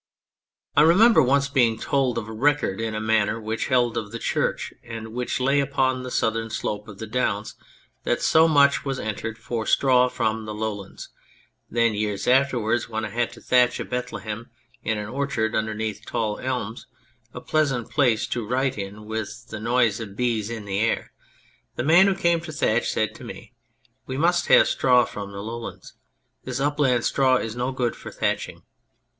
I 139 On Anything remember once being told of a record in a manor which held of the church, and which lay upon the southern slope of the Downs, that so much was entered " for straw from the lowlands "; then years afterwards, when I had to thatch a Bethlehem in an orchard underneath tall elms a pleasant place to write in with the noise of bees in the air the man who came to thatch said to me :" We must have straw from the lowlands ; this upland straw is no good for thatching."